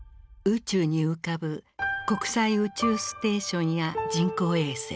宇宙に浮かぶ国際宇宙ステーションや人工衛星。